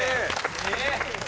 すげえ！